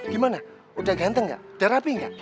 gimana udah ganteng gak udah rapi gak